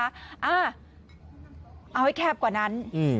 อ่าเอาให้แคบกว่านั้น